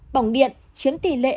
bỏng điện chiếm tỷ lệ hai ba năm